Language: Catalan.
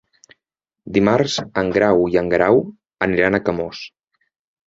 Dimarts en Grau i en Guerau aniran a Camós.